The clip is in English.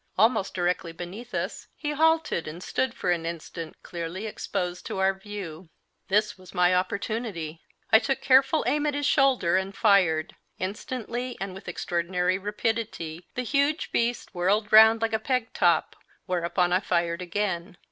Almost directly beneath us he halted and stood for an instant clearly exposed to our view. This was my opportunity; I took careful aim at his shoulder and fired. Instantly, and with extraordinary rapidity, the huge beast whirled round like a peg top, whereupon I fired again.